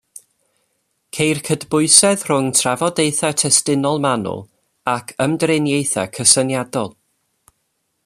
Ceir cydbwysedd rhwng trafodaethau testunol manwl ac ymdriniaethau cysyniadol.